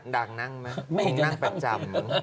ดังนั่งไหมคงนั่งประจำ